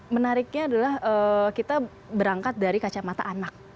menariknya adalah kita berangkat dari kacamata anak